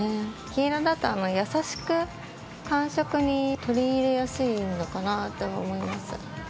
黄色だと、優しく寒色に取り入れやすいのかなって思います。